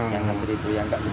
yang nanti itu yang gak berhenti